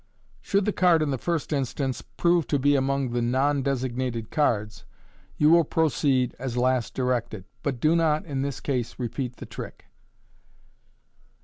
Should the card in the first instance prove to be among the now designated cards, you will proceed as last directed ; but do not in this case repeat the trick.